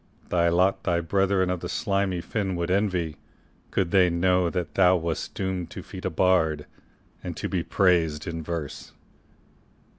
Thy lot thy brethern of the slimy fin Would envy, could they know that thou wast doom'd To feed a bard, and to be prais'd in verse.